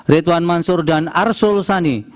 retuan mansur dan arsol sani